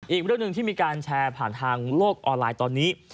อีกเรื่องหนึ่งที่มีการแชร์ผ่านทางโลกออนไลน์ตอนนี้